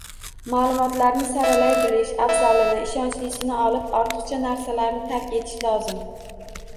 Ma'lumotlarni saralay bilish, afzalini, ishonchlisini olib, ortiqcha narsalarni tark etish lozim.